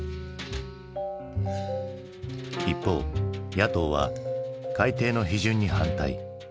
一方野党は改定の批准に反対。